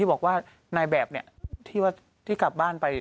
บอกว่านายแบบเนี่ยที่กลับบ้านไป